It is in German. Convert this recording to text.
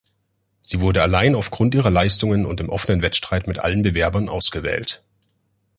Sie wurde allein aufgrund ihrer Leistungen und im offenen Wettstreit mit allen Bewerbern ausgewählt.